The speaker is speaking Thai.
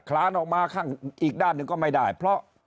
ลานออกมาข้างอีกด้านหนึ่งก็ไม่ได้เพราะ